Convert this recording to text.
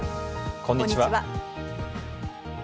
こんにちは。